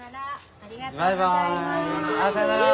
ありがとうございます。